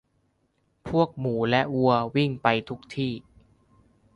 พวกหมูและวัววิ่งไปทุกที่